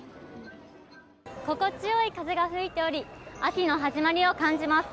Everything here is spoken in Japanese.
心地よい風が吹いており秋の始まりを感じます。